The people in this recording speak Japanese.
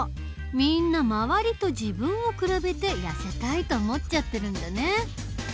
みんな周りと自分を比べてやせたいと思っちゃってるんだね。